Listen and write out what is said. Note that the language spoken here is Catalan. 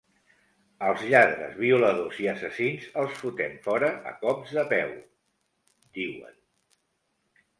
“Als lladres, violadors i assassins els fotem fora a cops de peu”, diuen.